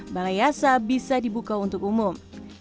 balai yasa bisa dibuka untuk umum